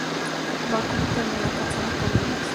Babcock termina casada con Niles.